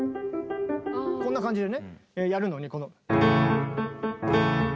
こんな感じでねやるのに。